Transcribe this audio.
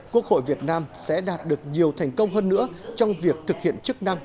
quốc hội việt nam sẽ đạt được nhiều thành công hơn nữa trong việc thực hiện chức năng